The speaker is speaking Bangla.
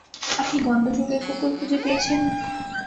আপনি গন্ধ শুঁকেই কুকুর খুঁজে পেয়েছেন?